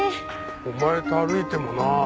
お前と歩いてもな。